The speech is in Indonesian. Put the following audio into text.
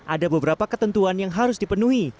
ada beberapa ketentuan yang harus dipenuhi